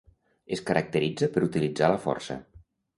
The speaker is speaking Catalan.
Es caracteritza per utilitzar la força.